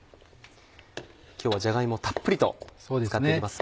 今日はじゃが芋をたっぷりと使っていきますね。